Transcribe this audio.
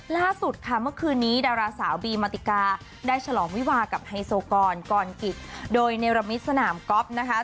ล่าสุดค่ะเมื่อคืนนี้ดาราสาวบีมาติกาได้ฉลองวิวากับไฮโซกรกรกิจโดยเนรมิตสนามก๊อฟนะคะ